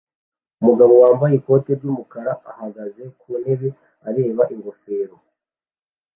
Umugabo wambaye ikoti ry'umukara ahagaze ku ntebe areba ingofero